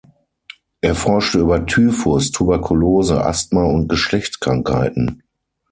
Er forschte über Typhus, Tuberkulose, Asthma und Geschlechtskrankheiten.